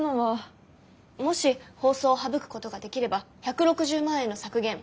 もし包装を省くことができれば１６０万円の削減。